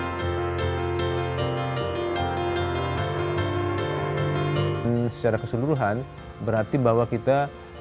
secara keseluruhan berarti bahwa kita